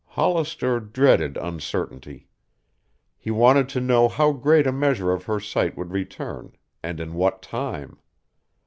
Hollister dreaded uncertainty. He wanted to know how great a measure of her sight would return, and in what time.